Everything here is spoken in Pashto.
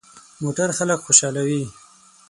موټر خلک خوشحالوي.